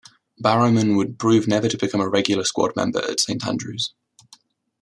Barrowman would prove never to become a regular squad member at Saint Andrew's.